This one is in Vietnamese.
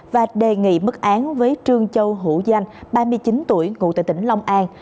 và đề nghị mức án với trương châu hữu danh ba mươi chín tuổi ngụ tại tỉnh long an